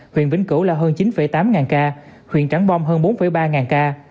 huyện vĩnh cửu là hơn chín tám ca huyện trắng bom hơn bốn ba ca